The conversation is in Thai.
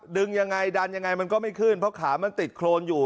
ดึงยังไงดันยังไงมันก็ไม่ขึ้นเพราะขามันติดโครนอยู่